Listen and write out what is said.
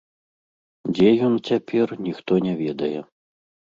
Дзе ён цяпер, ніхто не ведае.